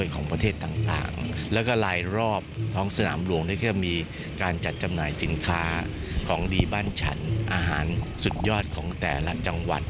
การฉันอาหารสุดยอดของแต่ละจังหวัด